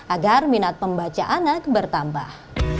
agar minat pembaca anak bertambah